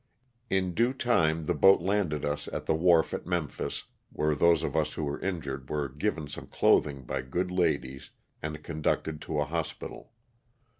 In due time the boat landed us at the wharf at Memphis, where those of us who were injured were given some clothing by the good ladies, and conducted to a hospital.